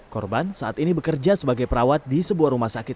korban saat ini bekerja sebagai perawat di sebuah rumah sakit